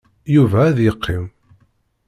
Yuba ad yeqqim.